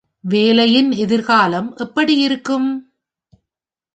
வேலையின் எதிர்காலம் எப்படி இருக்கும்?